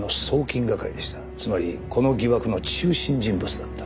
つまりこの疑惑の中心人物だった。